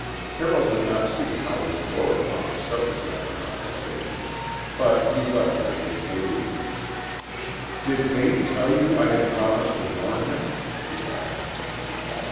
Carroll did not see how this bore upon the subject of their conversation, but he left her to take the lead. "Did Vane tell you I had promised to warn him?" she asked.